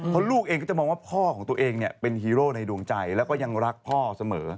เพราะลูกเองก็จะมองว่าพ่อของตัวเองเป็นฮีโร่ในดวงใจแล้วก็ยังรักพ่อเสมอ